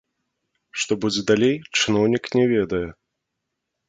Што будзе далей, чыноўнік не ведае.